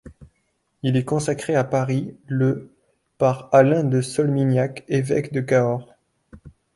Il est consacré à Paris le par Alain de Solminihac, évêque de Cahors.